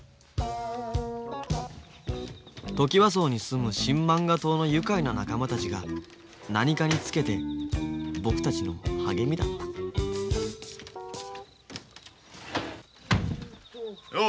トキワ荘に住む新漫画党の愉快な仲間たちが何かにつけて僕たちの励みだったよう。